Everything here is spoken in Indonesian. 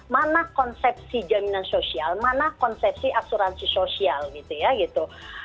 mana konsepsi jaminan sosial mana konsepsi asuransi sosial gitu ya gitu